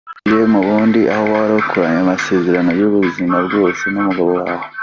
Winjiye mu bundi aho wakoranye amasezerano y’ubuzima bwose n’umugabo wawe.